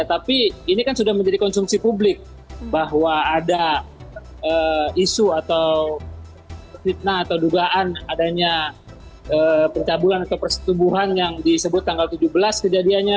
tapi ini kan sudah menjadi konsumsi publik bahwa ada isu atau fitnah atau dugaan adanya pencabulan atau persetubuhan yang disebut tanggal tujuh belas kejadiannya